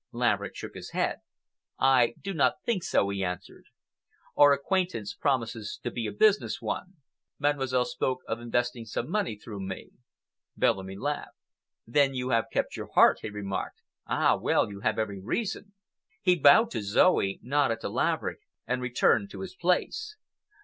Laverick shook his head. "I do not think so," he answered. "Our acquaintance promises to be a business one. Mademoiselle spoke of investing some money though me." Bellamy laughed. "Then you have kept your heart," he remarked. "Ah, well, you have every reason!" He bowed to Zoe, nodded to Laverick, and returned to his place.